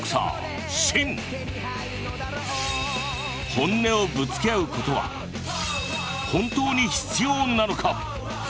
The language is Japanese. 本音をぶつけ合うことは本当に必要なのか？